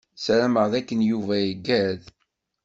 Sarameɣ d akken Yuba iggad.